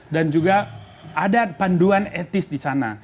dan juga ada panduan etis di sana